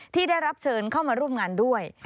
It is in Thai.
ที่ได้รับเชิญเข้ามาร่วมงานด้วย